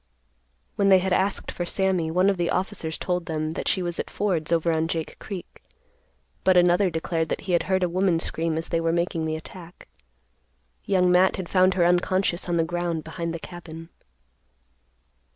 When they had asked for Sammy, one of the officers told them that she was at Ford's over on Jake Creek, but another declared that he had heard a woman scream as they were making the attack. Young Matt had found her unconscious on the ground behind the cabin.